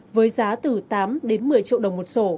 với giá từ tám đến một mươi triệu đồng một sổ